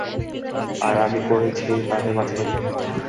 আর আমি করেছি তাদের বাঁচানোর জন্য।